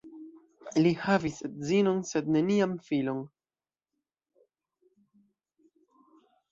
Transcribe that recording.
Li havis edzinon sed neniam filon.